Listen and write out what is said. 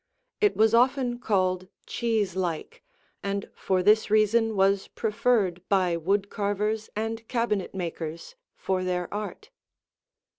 It was often called "cheese like" and for this reason was preferred by wood carvers and cabinetmakers for their art.